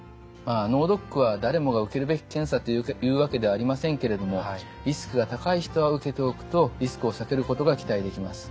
脳ドックは誰もが受けるべき検査というわけではありませんけれどもリスクが高い人は受けておくとリスクを避けることが期待できます。